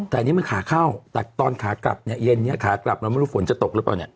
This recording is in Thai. แต่อันนี้มันขาเข้าแต่ตอนขากลับเนี่ยเย็นนี้ขากลับเราไม่รู้ฝนจะตกหรือเปล่าเนี่ย